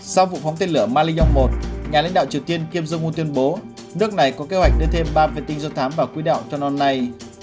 sau vụ phóng tên lửa mali yong một nhà lãnh đạo triều tiên kim jong un tuyên bố nước này có kế hoạch đưa thêm ba vệ tinh do thám vào quy đạo cho năm nay